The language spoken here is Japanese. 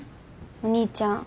お兄ちゃん